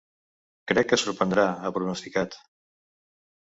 Crec que sorprendrà, ha pronosticat.